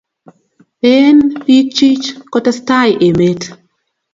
been biik chich kotestai emet